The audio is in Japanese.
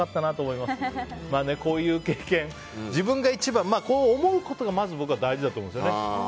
まあ、こういう経験自分が一番こう思うことがまずは大事だと思うんですよね。